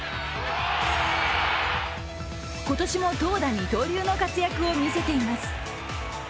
今年も投打二刀流の活躍を見せています。